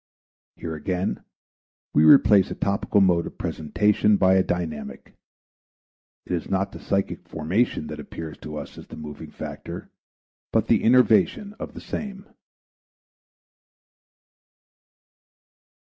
Here again we replace a topical mode of presentation by a dynamic; it is not the psychic formation that appears to us as the moving factor but the innervation of the same.